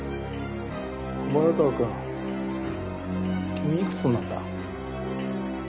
小早川君君幾つになった？